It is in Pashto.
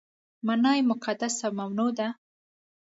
معنا یې مقدس او ممنوع ده.